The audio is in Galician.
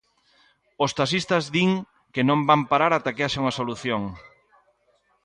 Os taxistas din que non van parar ata que haxa unha solución.